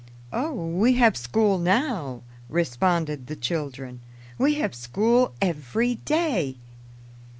"Oh, we have school now," responded the children. "We have school every day."